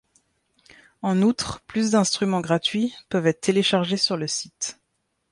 En outre, plus de instruments gratuits peuvent être téléchargés sur le site.